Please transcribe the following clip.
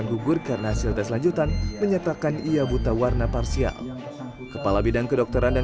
terbesar adalah yang bersahabatan